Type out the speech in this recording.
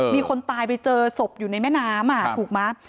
มีคนตายไปเจอศพอยู่ในแม่น้ำถูกไหม